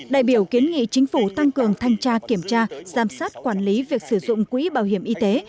đại biểu kiến nghị chính phủ tăng cường thanh tra kiểm tra giám sát quản lý việc sử dụng quỹ bảo hiểm y tế